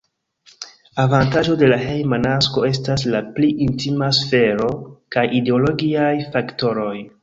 Avantaĝo de la hejma nasko estas la pli intima sfero kaj ideologiaj faktoroj.